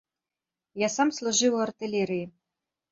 Я сам служыў у артылерыі.